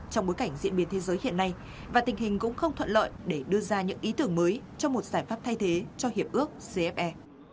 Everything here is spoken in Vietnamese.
trong bối cảnh diễn biến thế giới hiện nay và tình hình cũng không thuận lợi để đưa ra những ý tưởng mới cho một giải pháp thay thế cho hiệp ước cfe